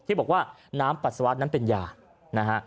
ที่บอกว่าน้ำปัสสาวะนั้นเป็นยานะฮะ